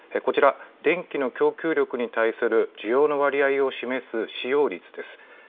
こちら、電力の電気の供給力に対する需要の割合を示す使用率です。